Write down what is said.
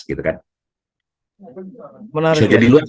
bisa jadi luas mas